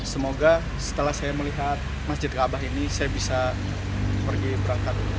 semoga setelah saya melihat masjid kaabah ini saya bisa pergi berangkat